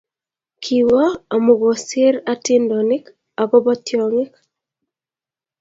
Kiwoo abukosiir atindonik agoba tyongiik